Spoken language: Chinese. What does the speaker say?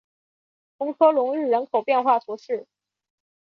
红科隆日人口变化图示